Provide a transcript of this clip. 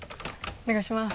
お願いします。